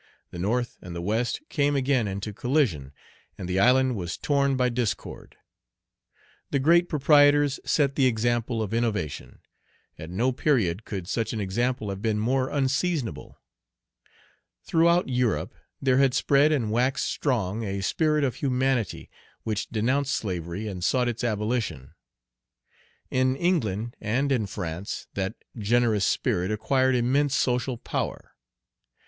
The North and the West came again into collision, and the island was torn by discord. The great proprietors set the example of innovation. At no period could such an example have been more unseasonable. Throughout Europe there had spread and waxed strong a spirit of humanity, which denounced slavery and sought its abolition. In England and in France that generous spirit acquired immense social power.